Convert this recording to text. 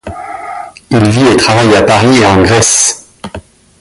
Il vit et travaille à Paris et en Grèce.